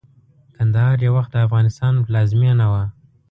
کندهار يٶوخت دافغانستان پلازمينه وه